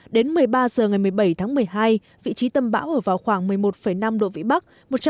đến một mươi ba h ngày một mươi bảy tháng một mươi hai vị trí tâm bão ở vào khoảng một mươi một năm độ vĩ bắc